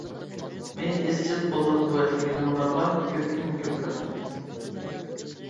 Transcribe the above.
مېنى ئىزچىل قوللاپ قۇۋۋەتلىگىنىڭلارغا كۆپتىن كۆپ رەھمەت.